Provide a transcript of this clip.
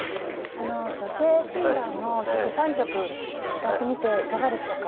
あの女性シンガーの曲３曲歌ってみていかがでしたか？